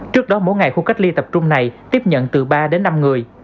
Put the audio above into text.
trước đó mỗi ngày khu cách ly tập trung này tiếp nhận từ ba đến năm người